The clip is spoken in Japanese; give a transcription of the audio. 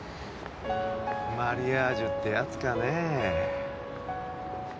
マリアージュってやつかねえ